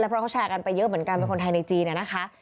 เพราะเขาแชร์กันไปเยอะเหมือนกันเป็นคนไทยในจีนนะคะ